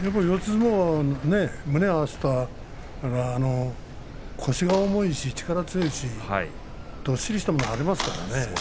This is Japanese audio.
相撲は胸を合わせると腰が重いし力は強いしどっしりしたものがありますからね。